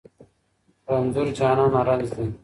رنځور جانانه رنځ دي